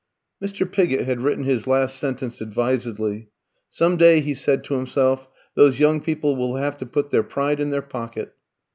Mr. Pigott had written his last sentence advisedly. "Some day," he said to himself, "those young people will have to put their pride in their pocket."